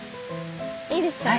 いいですか？